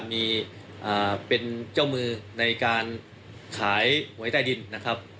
มีเป็นเจ้ามือในการขายหวยใต้ดินนะครับ